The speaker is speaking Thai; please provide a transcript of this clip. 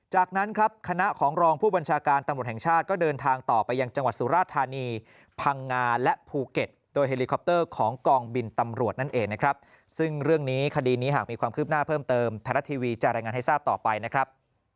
จากนั้นครับคณะของรองผู้บัญชาการตำรวจแห่งชาติก็เดินทางต่อไปยังจังหวัดสุราธานีพังงาและภูเก็ตโดยเฮลิคอปเตอร์ของกองบินตำรวจนั่นเองนะครับซึ่งเรื่องนี้คดีนี้หากมีความคืบหน้าเพิ่มเติมไทยรัฐทีวีจะรายงานให้ทราบต่อไปนะครับ